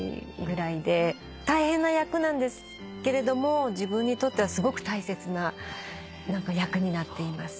大変な役なんですけれども自分にとってはすごく大切な役になっています。